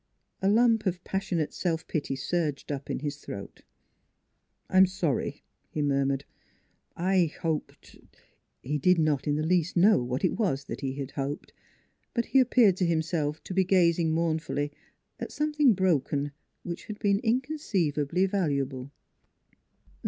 A lump of passionate self pity surged up in his throat. " I'm sorry," he murmured. " I hoped " He did not in the least know what it was that he had hoped; but he appeared to himself to be gazing mournfully at something broken which had been inconceivably valuable.